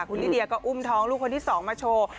คุณลิเดียก็อุ้มท้องลูกคนที่๒มาโชว์